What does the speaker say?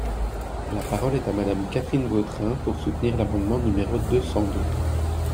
La parole est à Madame Catherine Vautrin, pour soutenir l’amendement numéro deux cent deux.